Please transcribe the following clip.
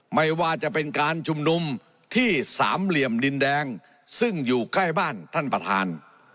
ไม่ว่าจะเป็นการชุมนุมที่สามเหลี่ยมดินแดงซึ่งอยู่ใกล้บ้านท่านประธาน